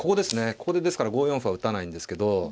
ここでですから５四歩は打たないんですけど。